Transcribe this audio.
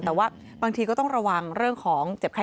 แต่ว่าบางทีก็ต้องระวังเรื่องของเจ็บไข้